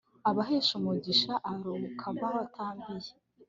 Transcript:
abahesha umugisha arururuka ava aho atambiye